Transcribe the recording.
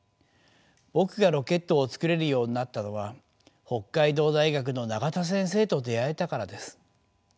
僕がロケットを作れるようになったのは北海道大学の永田先生と出会えたからです。